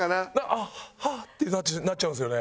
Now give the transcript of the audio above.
「あっああ」ってなっちゃうんですよね。